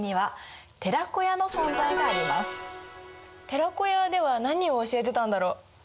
寺子屋では何を教えてたんだろう？